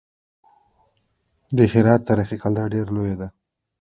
د هرات تاریخي کلا ډېره لویه ده.